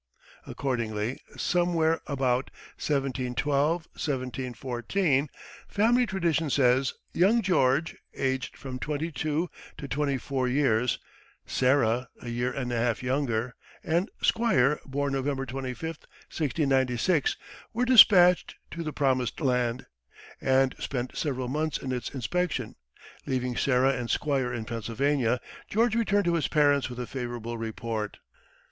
Accordingly somewhere about 1712 14, family tradition says young George (aged from twenty two to twenty four years), Sarah (a year and a half younger), and Squire (born November 25, 1696) were despatched to the promised land, and spent several months in its inspection. Leaving Sarah and Squire in Pennsylvania, George returned to his parents with a favorable report.